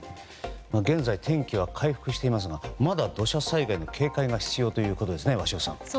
現在、天気は回復していますがまだ土砂災害の警戒が必要ということですね鷲尾さん。